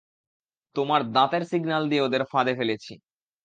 তোমার দাঁতের সিগন্যাল দিয়ে ওদের ফাঁদে ফেলছি।